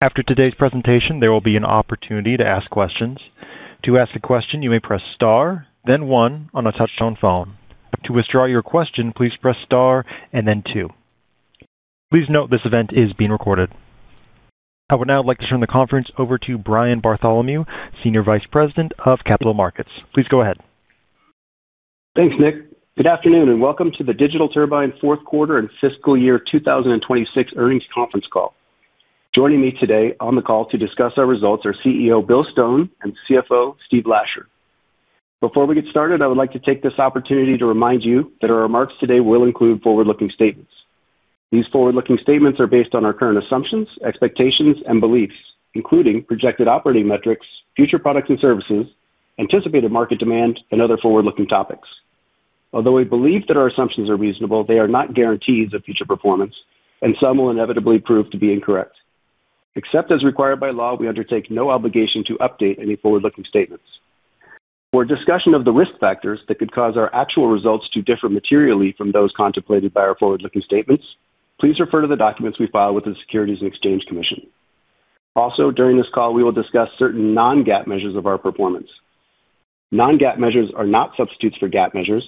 After today's presentation, there will be an opportunity to ask questions. To ask a question, you may press star then one on a touch-tone phone. To withdraw your question, please press star and then two. Please note this event is being recorded. I would now like to turn the conference over to Brian Bartholomew, Senior Vice President of Capital Markets. Please go ahead. Thanks, Nick. Good afternoon and welcome to the Digital Turbine fourth quarter and fiscal year 2026 earnings conference call. Joining me today on the call to discuss our results are Chief Executive Officer Bill Stone and Chief Financial Officer Steve Lasher. Before we get started, I would like to take this opportunity to remind you that our remarks today will include forward-looking statements. These forward-looking statements are based on our current assumptions, expectations, and beliefs, including projected operating metrics, future products and services, anticipated market demand, and other forward-looking topics. Although we believe that our assumptions are reasonable, they are not guarantees of future performance, and some will inevitably prove to be incorrect. Except as required by law, we undertake no obligation to update any forward-looking statements. For a discussion of the risk factors that could cause our actual results to differ materially from those contemplated by our forward-looking statements, please refer to the documents we file with the Securities and Exchange Commission. During this call, we will discuss certain non-GAAP measures of our performance. Non-GAAP measures are not substitutes for GAAP measures.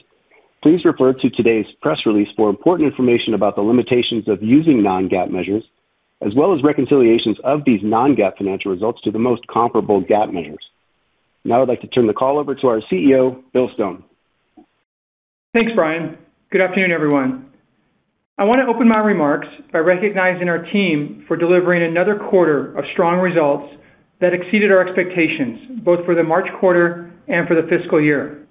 Please refer to today's press release for important information about the limitations of using non-GAAP measures, as well as reconciliations of these non-GAAP financial results to the most comparable GAAP measures. Now I'd like to turn the call over to our Chief Executive Officer, Bill Stone. Thanks, Brian. Good afternoon, everyone. I want to open my remarks by recognizing our team for delivering another quarter of strong results that exceeded our expectations, both for the March quarter and for the fiscal year.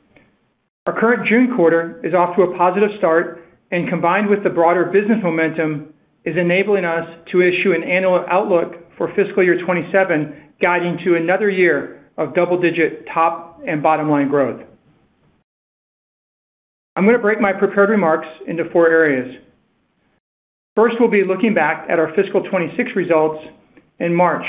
Our current June quarter is off to a positive start and, combined with the broader business momentum, is enabling us to issue an annual outlook for fiscal year 2027, guiding to another year of double-digit top and bottom-line growth. I'm going to break my prepared remarks into four areas. First, we'll be looking back at our fiscal 2026 results in March.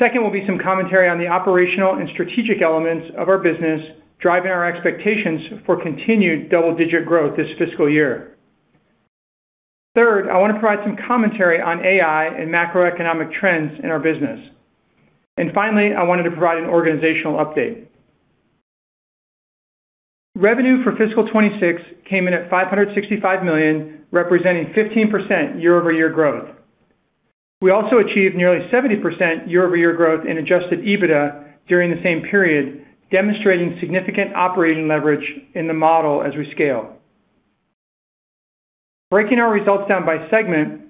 Second will be some commentary on the operational and strategic elements of our business, driving our expectations for continued double-digit growth this fiscal year. Third, I want to provide some commentary on AI and macroeconomic trends in our business. Finally, I wanted to provide an organizational update. Revenue for fiscal 2026 came in at $565 million, representing 15% year-over-year growth. We also achieved nearly 70% year-over-year growth in adjusted EBITDA during the same period, demonstrating significant operating leverage in the model as we scale. Breaking our results down by segment,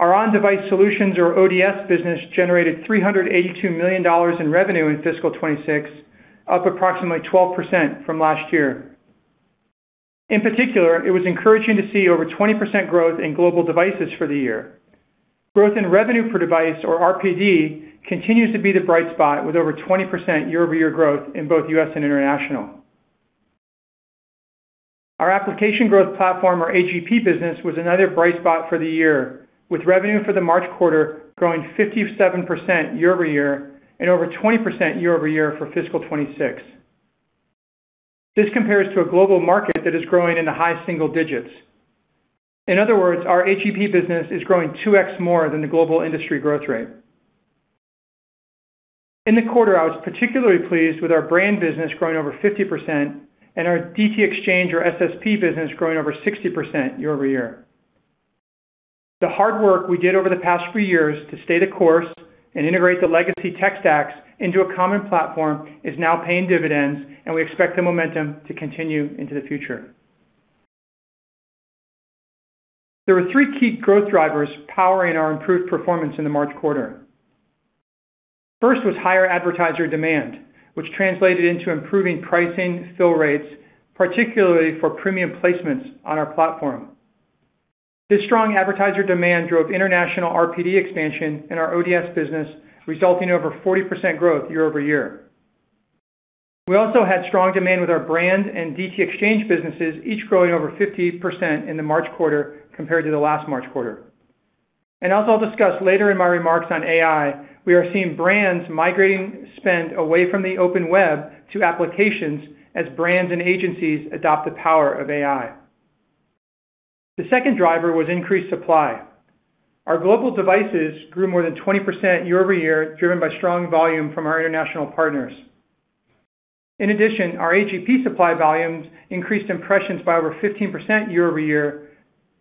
our On-Device Solutions or ODS business generated $382 million in revenue in fiscal 2026, up approximately 12% from last year. In particular, it was encouraging to see over 20% growth in global devices for the year. Growth in revenue per device or RPD continues to be the bright spot, with over 20% year-over-year growth in both U.S. and International. Our Application Growth Platform or AGP business was another bright spot for the year, with revenue for the March quarter growing 57% year-over-year and over 20% year-over-year for fiscal 2026. This compares to a global market that is growing in the high single digits. In other words, our AGP business is growing 2x more than the global industry growth rate. In the quarter, I was particularly pleased with our brand business growing over 50% and our DT Exchange or SSP business growing over 60% year-over-year. The hard work we did over the past few years to stay the course and integrate the legacy tech stacks into a common platform is now paying dividends, and we expect the momentum to continue into the future. There are three key growth drivers powering our improved performance in the March quarter. First was higher advertiser demand, which translated into improving pricing fill rates, particularly for premium placements on our platform. This strong advertiser demand drove international RPD expansion in our ODS business, resulting in over 40% growth year-over-year. We also had strong demand with our brand and DT Exchange businesses, each growing over 50% in the March quarter compared to the last March quarter. As I'll discuss later in my remarks on AI, we are seeing brands migrating spend away from the open web to applications as brands and agencies adopt the power of AI. The second driver was increased supply. Our global devices grew more than 20% year-over-year, driven by strong volume from our international partners. In addition, our AGP supply volumes increased impressions by over 15% year-over-year,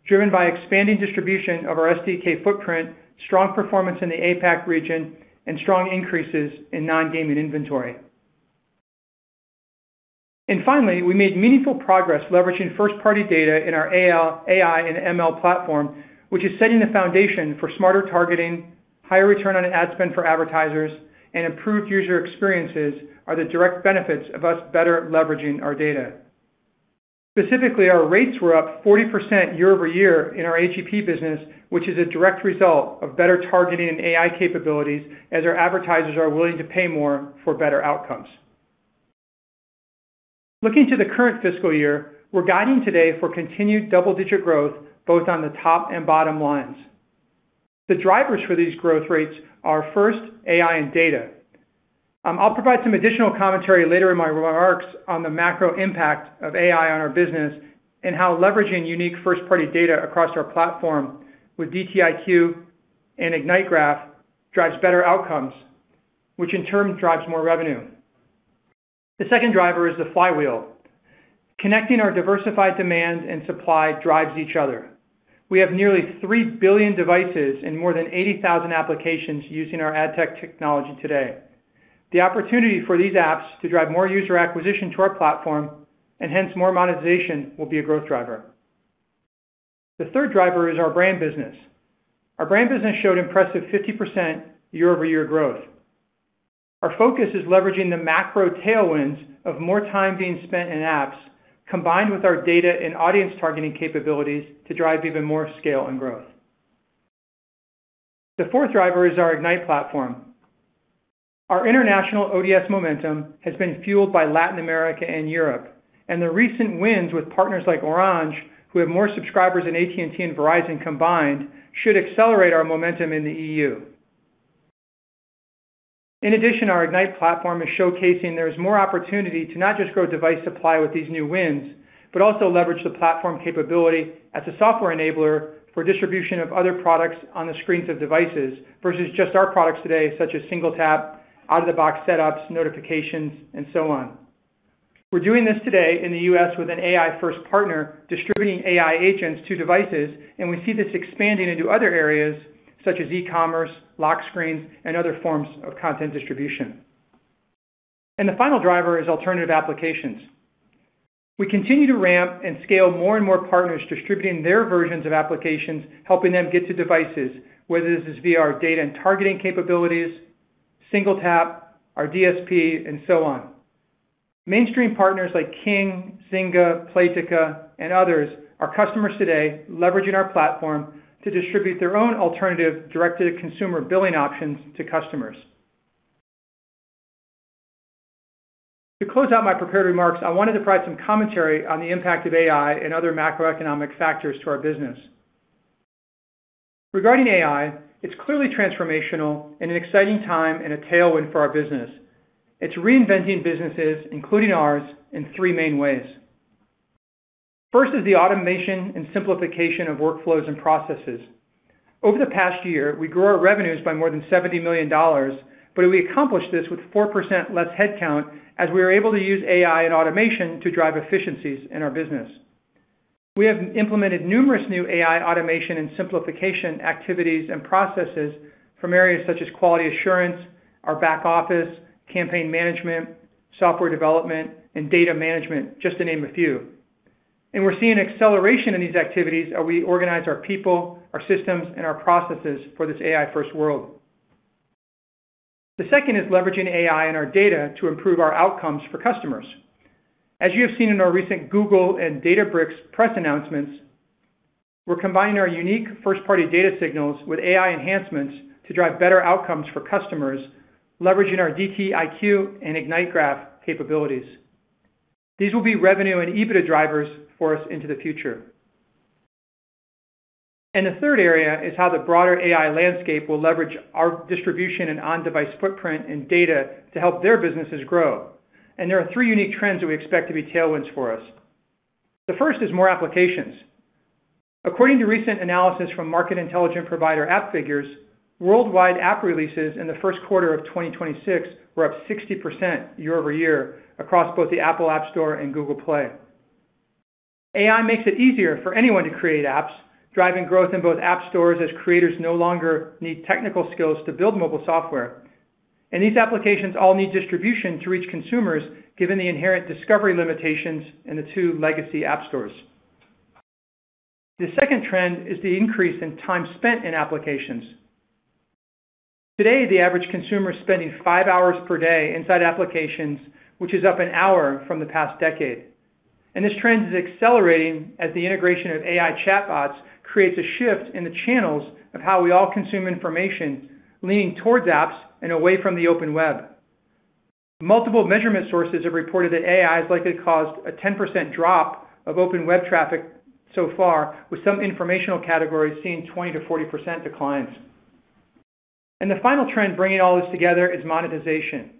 driven by expanding distribution of our SDK footprint, strong performance in the APAC region, and strong increases in non-gaming inventory. Finally, we made meaningful progress leveraging first-party data in our AI and ML platform, which is setting the foundation for smarter targeting, higher return on ad spend for advertisers, and improved user experiences are the direct benefits of us better leveraging our data. Specifically, our rates were up 40% year-over-year in our AGP business, which is a direct result of better targeting and AI capabilities as our advertisers are willing to pay more for better outcomes. Looking to the current fiscal year, we're guiding today for continued double-digit growth both on the top and bottom lines. The drivers for these growth rates are, first, AI and data. I'll provide some additional commentary later in my remarks on the macro impact of AI on our business and how leveraging unique first-party data across our platform with DT iQ and Ignite Graph drives better outcomes, which in turn drives more revenue. The second driver is the flywheel. Connecting our diversified demand and supply drives each other. We have nearly 3 billion devices and more than 80,000 applications using our ad tech technology today. The opportunity for these apps to drive more user acquisition to our platform, and hence more monetization, will be a growth driver. The third driver is our brand business. Our brand business showed impressive 50% year-over-year growth. Our focus is leveraging the macro tailwinds of more time being spent in apps, combined with our data and audience targeting capabilities, to drive even more scale and growth. The fourth driver is our Ignite platform. Our international ODS momentum has been fueled by Latin America and Europe, and the recent wins with partners like Orange, who have more subscribers than AT&T and Verizon combined, should accelerate our momentum in the EU. In addition, our Ignite platform is showcasing there's more opportunity to not just grow device supply with these new wins, but also leverage the platform capability as a software enabler for distribution of other products on the screens of devices versus just our products today, such as SingleTap, out-of-the-box setups, notifications, and so on. We're doing this today in the U.S. with an AI-first partner distributing AI agents to devices, we see this expanding into other areas such as e-commerce, lock screens, and other forms of content distribution. The final driver is alternative applications. We continue to ramp and scale more and more partners distributing their versions of applications, helping them get to devices, whether this is via our data and targeting capabilities, SingleTap, our DSP, and so on. Mainstream partners like King, Zynga, Playtika, and others are customers today leveraging our platform to distribute their own alternative direct-to-consumer billing options to customers. To close out my prepared remarks, I wanted to provide some commentary on the impact of AI and other macroeconomic factors to our business. Regarding AI, it's clearly transformational and an exciting time and a tailwind for our business. It's reinventing businesses, including ours, in three main ways. First is the automation and simplification of workflows and processes. Over the past year, we grew our revenues by more than $70 million. We accomplished this with 4% less headcount as we were able to use AI and automation to drive efficiencies in our business. We have implemented numerous new AI automation and simplification activities and processes from areas such as quality assurance, our back office, campaign management, software development, and data management, just to name a few. We're seeing an acceleration in these activities as we organize our people, our systems, and our processes for this AI-first world. The second is leveraging AI and our data to improve our outcomes for customers. As you have seen in our recent Google and Databricks press announcements, we're combining our unique first-party data signals with AI enhancements to drive better outcomes for customers, leveraging our DT iQ and Ignite Graph capabilities. These will be revenue and EBITDA drivers for us into the future. The third area is how the broader AI landscape will leverage our distribution and on-device footprint and data to help their businesses grow. There are three unique trends that we expect to be tailwinds for us. The first is more applications. According to recent analysis from market intelligence provider Appfigures, worldwide app releases in the first quarter of 2026 were up 60% year-over-year across both the Apple App Store and Google Play. AI makes it easier for anyone to create apps, driving growth in both app stores as creators no longer need technical skills to build mobile software. These applications all need distribution to reach consumers, given the inherent discovery limitations in the two legacy app stores. The second trend is the increase in time spent in applications. Today, the average consumer is spending five hours per day inside applications, which is up one hour from the past decade. This trend is accelerating as the integration of AI chatbots creates a shift in the channels of how we all consume information, leaning towards apps and away from the open web. Multiple measurement sources have reported that AI has likely caused a 10% drop of open web traffic so far, with some informational categories seeing 20%-40% declines. The final trend bringing all this together is monetization.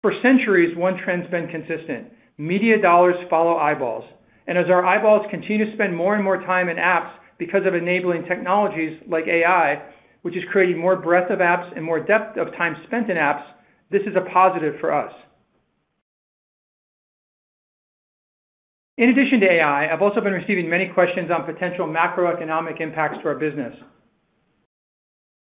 For centuries, one trend's been consistent. Media dollars follow eyeballs, and as our eyeballs continue to spend more and more time in apps because of enabling technologies like AI, which is creating more breadth of apps and more depth of time spent in apps, this is a positive for us. In addition to AI, I've also been receiving many questions on potential macroeconomic impacts to our business.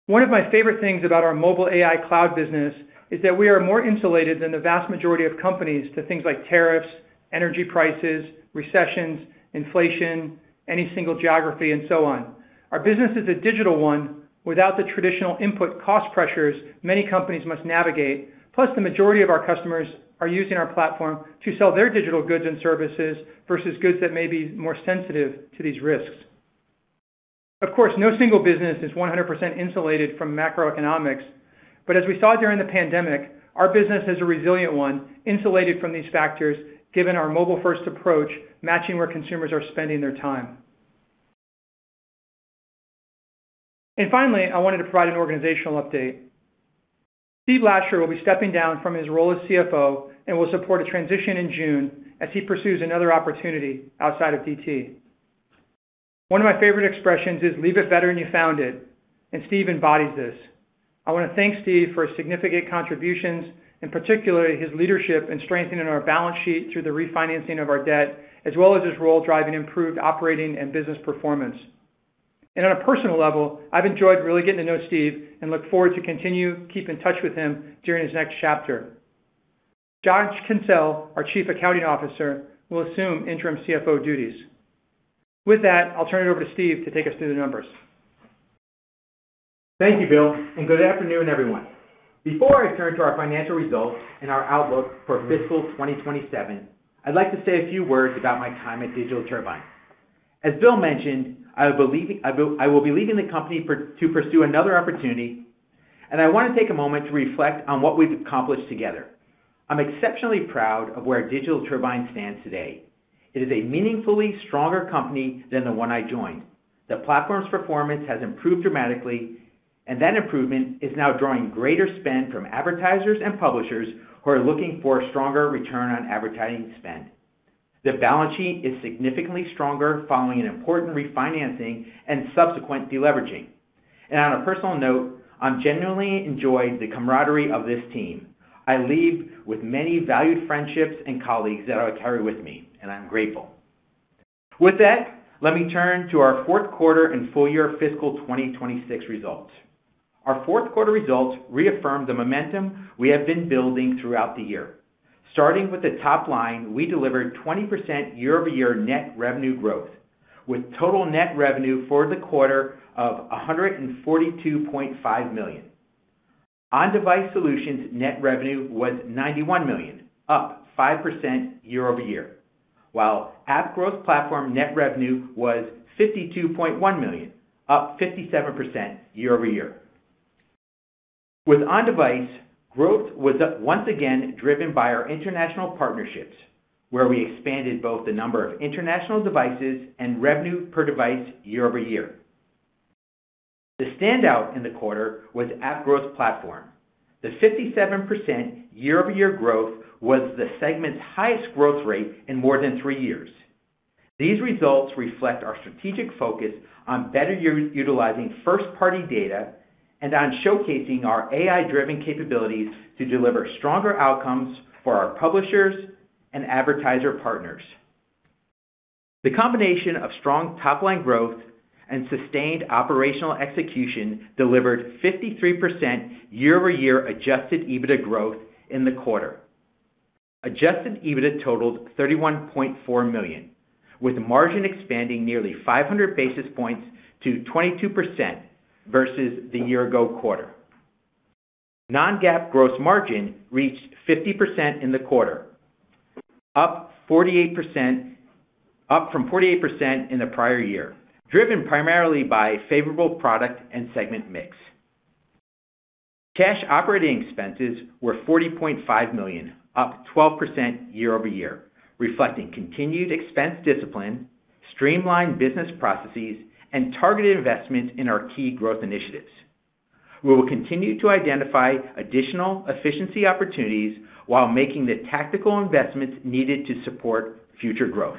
One of my favorite things about our mobile AI cloud business is that we are more insulated than the vast majority of companies to things like tariffs, energy prices, recessions, inflation, any single geography, and so on. Our business is a digital one without the traditional input cost pressures many companies must navigate. Plus, the majority of our customers are using our platform to sell their digital goods and services versus goods that may be more sensitive to these risks. Of course, no single business is 100% insulated from macroeconomics, but as we saw during the pandemic, our business is a resilient one, insulated from these factors given our mobile-first approach matching where consumers are spending their time. Finally, I wanted to provide an organizational update. Steve Lasher will be stepping down from his role as Chief Financial Officer and will support a transition in June as he pursues another opportunity outside of DT. One of my favorite expressions is leave it better than you found it, and Steve embodies this. I want to thank Steve for his significant contributions, and particularly his leadership in strengthening our balance sheet through the refinancing of our debt, as well as his role driving improved operating and business performance. On a personal level, I've enjoyed really getting to know Steve and look forward to continue keep in touch with him during his next chapter. Josh Kinsell, our Chief Accounting Officer, will assume Interim Chief Financial Officer duties. With that, I'll turn it over to Steve to take us through the numbers. Thank you, Bill, and good afternoon, everyone. Before I turn to our financial results and our outlook for fiscal 2027, I'd like to say a few words about my time at Digital Turbine. As Bill mentioned, I will be leaving the company to pursue another opportunity, and I want to take a moment to reflect on what we've accomplished together. I'm exceptionally proud of where Digital Turbine stands today. It is a meaningfully stronger company than the one I joined. The platform's performance has improved dramatically, and that improvement is now drawing greater spend from advertisers and publishers who are looking for a stronger return on advertising spend. The balance sheet is significantly stronger following an important refinancing and subsequent deleveraging. On a personal note, I'm genuinely enjoyed the camaraderie of this team. I leave with many valued friendships and colleagues that I will carry with me, and I'm grateful. With that, let me turn to our fourth quarter and full year fiscal 2026 results. Our fourth quarter results reaffirmed the momentum we have been building throughout the year. Starting with the top line, we delivered 20% year-over-year net revenue growth, with total net revenue for the quarter of $142.5 million. On-Device Solutions net revenue was $91 million, up 5% year-over-year, while App Growth Platform net revenue was $52.1 million, up 57% year-over-year. With On-Device, growth was once again driven by our international partnerships, where we expanded both the number of international devices and revenue per device year-over-year. The standout in the quarter was App Growth Platform. The 57% year-over-year growth was the segment's highest growth rate in more than three years. These results reflect our strategic focus on better utilizing first-party data and on showcasing our AI-driven capabilities to deliver stronger outcomes for our publishers and advertiser partners. The combination of strong top-line growth and sustained operational execution delivered 53% year-over-year adjusted EBITDA growth in the quarter. Adjusted EBITDA totaled $31.4 million, with margin expanding nearly 500 basis points to 22% versus the year ago quarter. Non-GAAP gross margin reached 50% in the quarter, up from 48% in the prior year, driven primarily by favorable product and segment mix. Cash operating expenses were $40.5 million, up 12% year-over-year, reflecting continued expense discipline, streamlined business processes, and targeted investments in our key growth initiatives. We will continue to identify additional efficiency opportunities while making the tactical investments needed to support future growth.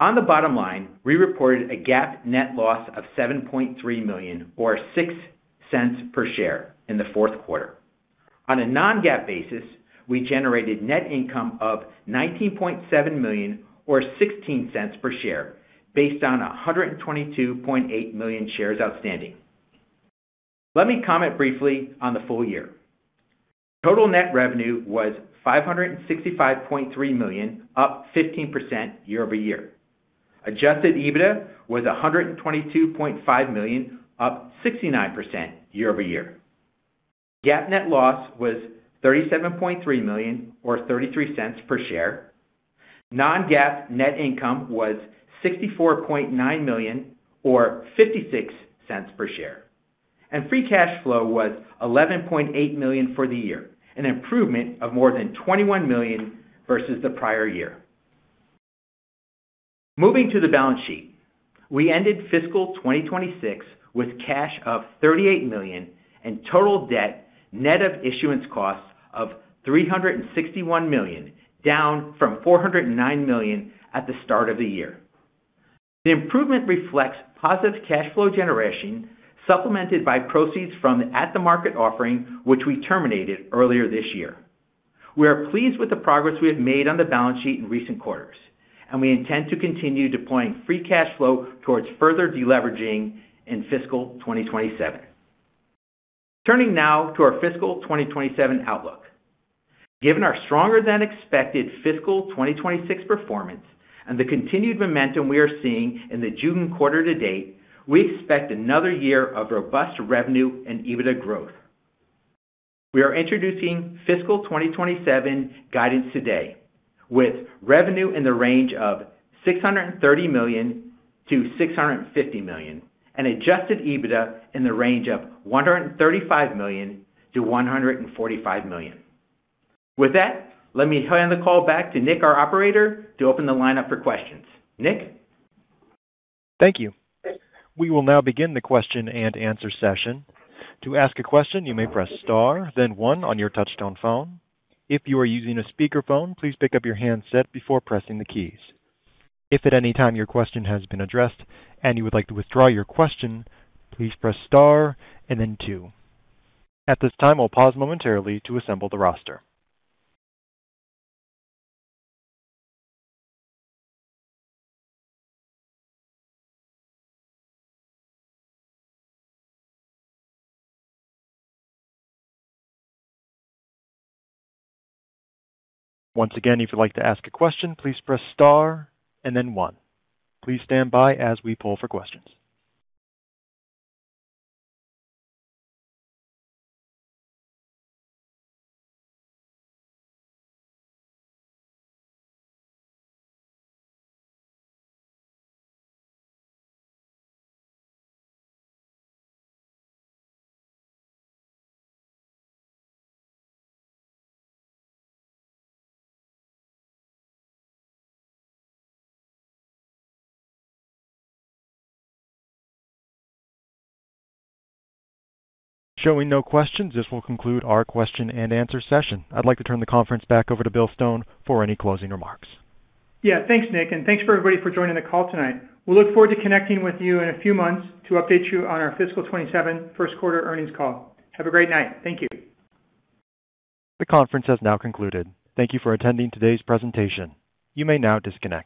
On the bottom line, we reported a GAAP net loss of $7.3 million, or $0.06 per share in the fourth quarter. On a non-GAAP basis, we generated net income of $19.7 million or $0.16 per share based on 122.8 million shares outstanding. Let me comment briefly on the full year. Total net revenue was $565.3 million, up 15% year-over-year. Adjusted EBITDA was $122.5 million, up 69% year-over-year. GAAP net loss was $37.3 million or $0.33 per share. Non-GAAP net income was $64.9 million or $0.56 per share. Free cash flow was $11.8 million for the year, an improvement of more than $21 million versus the prior year. Moving to the balance sheet. We ended fiscal 2026 with cash of $38 million and total debt net of issuance costs of $361 million, down from $409 million at the start of the year. The improvement reflects positive cash flow generation supplemented by proceeds from at-the-market offering, which we terminated earlier this year. We are pleased with the progress we have made on the balance sheet in recent quarters, and we intend to continue deploying free cash flow towards further deleveraging in fiscal 2027. Turning now to our fiscal 2027 outlook. Given our stronger than expected fiscal 2026 performance and the continued momentum we are seeing in the June quarter to date, we expect another year of robust revenue and EBITDA growth. We are introducing fiscal 2027 guidance today with revenue in the range of $630 million-$650 million and adjusted EBITDA in the range of $135 million-$145 million. Let me hand the call back to Nick, our operator, to open the line up for questions. Nick? Thank you. We will now begin the question-and-answer session. At this time, I'll pause momentarily to assemble the roster. Please stand by as we poll for questions. Showing no questions, this will conclude our question-and-answer session. I'd like to turn the conference back over to Bill Stone for any closing remarks. Yeah, thanks, Nick, and thanks for everybody for joining the call tonight. We look forward to connecting with you in a few months to update you on our fiscal 2027 first quarter earnings call. Have a great night. Thank you. The conference has now concluded. Thank you for attending today's presentation. You may now disconnect.